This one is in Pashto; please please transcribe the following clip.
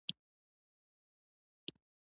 د مرکزي بانک مهمه دنده د پیسو ثبات دی.